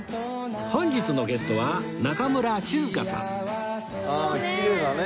本日のゲストは中村静香さん